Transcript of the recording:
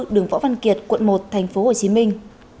đường võ văn kiệt quận một thành phố hồ chí minh